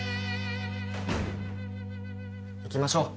行きましょう。